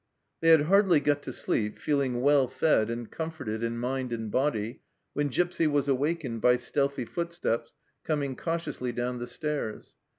They had hardly got to sleep, feeling well fed and comforted in mind and body, when Gipsy was awakened by stealthy footsteps coming cautiously down the stairs.